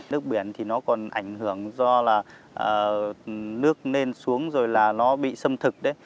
nước biển thì nó còn ảnh hưởng do là nước nên xuống rồi là nó bị xâm thực đấy